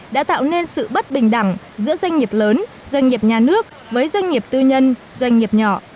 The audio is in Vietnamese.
đã tạo nên sự bất bình đẳng giữa doanh nghiệp lớn doanh nghiệp nhà nước với doanh nghiệp tư nhân doanh nghiệp nhỏ